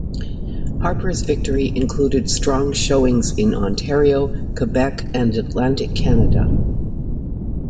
Harper's victory included strong showings in Ontario, Quebec, and Atlantic Canada.